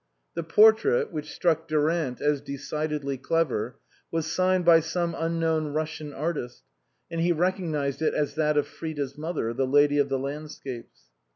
The portrait (which struck Durant as decidedly clever) was signed by some unknown Russian artist, and he recognised it as that of Frida's mother, the lady of the landscapes.